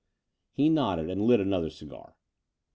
He nodded and lit another dgar.